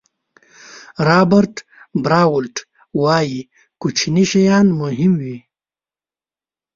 رابرټ براولټ وایي کوچني شیان مهم وي.